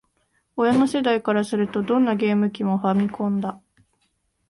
親の世代からすると、どんなゲーム機も「ファミコン」だ